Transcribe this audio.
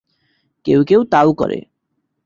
কেউ কেউ তাও করে।